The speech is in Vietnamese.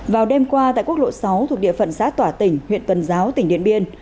vào đêm qua tại quốc lộ sáu thuộc địa phận xã tỏa tỉnh huyện tuần giáo tỉnh điện biên